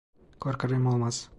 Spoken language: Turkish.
Korkarım olmaz.